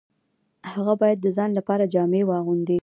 هغه باید د ځان لپاره جامې واغوندي